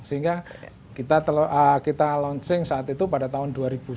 sehingga kita launching saat itu pada tahun dua ribu sembilan belas